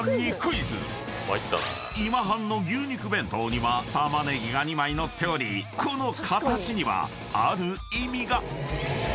［「今半」の牛肉弁当には玉ねぎが２枚載っておりこの形にはある意味が］